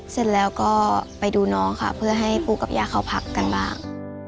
เสร็จแล้วก็ไปดูน้องค่ะเพื่อให้ผู้กับย่าเข้าพักกันบ้าง